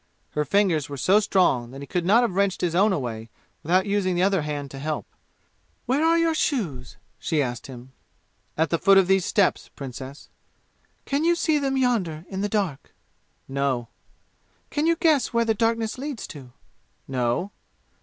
Her fingers were so strong that he could not have wrenched his own away without using the other hand to help. "Where are your shoes?" she asked him. "At the foot of these steps, Princess." "Can you see them yonder in the dark?" "No." "Can you guess where the darkness leads to?" "No."